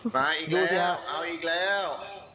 มาอีกแล้วเอาอีกแล้ว